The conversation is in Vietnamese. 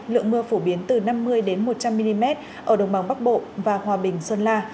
lượng mưa phổ biến từ năm mươi một trăm linh mm ở đồng bằng bắc bộ và hòa bình sơn la